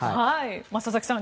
佐々木さん